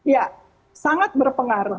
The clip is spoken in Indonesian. ya sangat berpengaruh